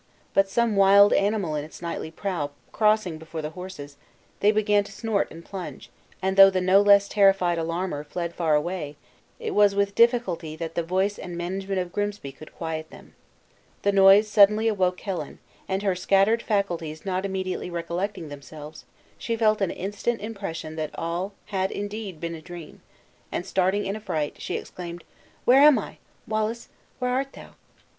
But some wild animal in its nightly prowl crossing before the horses, they began to snort and plunge, and though the no less terrified alarmer fled far away, it was with difficulty the voice and management of Grimsby could quiet them. The noise suddenly awoke Helen, and her scattered faculties not immediately recollecting themselves, she felt an instant impression that all had indeed been a dream, and starting in affright, she exclaimed, "Where am I? Wallace, where art thou?"